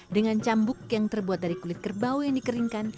dengan cambuk yang terbuat dari kulit kerbau dan kubu